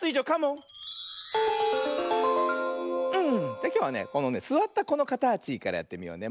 じゃきょうはねこのねすわったこのかたちからやってみようね。